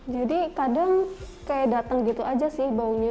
jadi kadang kayak datang gitu aja sih baunya